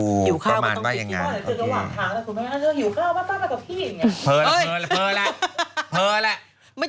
อยู่ข้าวก็ต้องอีกครึ่ง